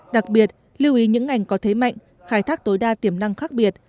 đặc biệt lưu ý những ngành có thế mạnh khai thác tối đa tiềm năng khác biệt